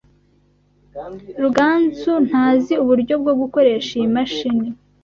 Ruganzu ntazi uburyo bwo gukoresha iyi mashini.